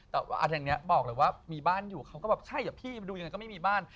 แต่ว่าทางนี้บอกเลยว่ามีบ้านอยู่เขาก็แบบใช่เหรอพี่ไปดูยังไงก็ไม่มีบ้าน